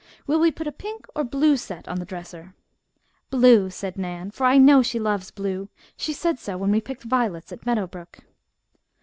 Will we put a pink or blue set on the dresser?" "Blue," said Nan, "for I know she loves blue. She said so when we picked violets at Meadow Brook."